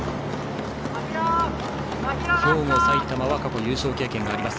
兵庫、埼玉は過去、優勝経験があります。